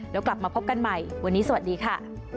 แล้วกลับมาพบกันใหม่วันนี้สวัสดีค่ะ